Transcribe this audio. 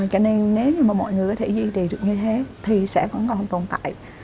cho nên nếu như mà mọi người có thể duy trì được như thế thì sẽ vẫn còn tồn tại